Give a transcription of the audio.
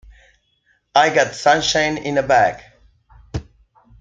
I got sunshine, in a bag.